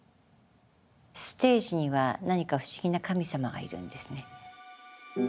ステージには何か不思議な神様がいるんですね。